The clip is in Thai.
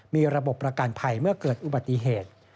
มีระบบประกันภัยเมื่อเกิดอุบัติเหตุ